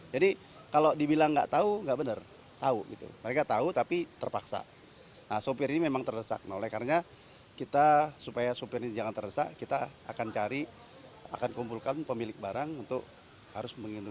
jadi kalau dibilang enggak tahu enggak benar tahu gitu mereka tahu tapi terpaksa nah sopir ini memang terdesak oleh karena kita supaya sopir ini jangan terdesak kita akan cari akan kumpulkan pemilik barang untuk harus mengendut